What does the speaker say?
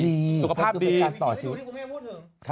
ก็เป็นการต่อชีวิต